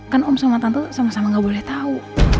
kan om sama tante sama sama gak boleh tahu